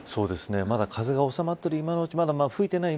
まだ風が収まっている今のうちまだ吹いてない